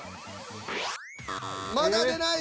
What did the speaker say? まだ出ない。